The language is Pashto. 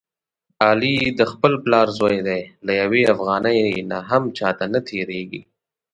علي د خپل پلار زوی دی، له یوې افغانۍ نه هم چاته نه تېرېږي.